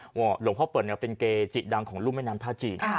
หลวงพ่อเปิลเป็นเกจิดังของรุ่มแม่น้ำท่าจีน